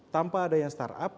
tanpa adanya start up